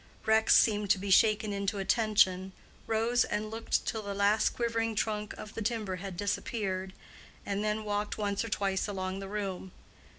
Rex seemed to be shaken into attention, rose and looked till the last quivering trunk of the timber had disappeared, and then walked once or twice along the room.